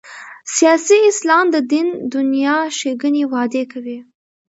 سیاسي اسلام د دې دنیا ښېګڼې وعدې کوي.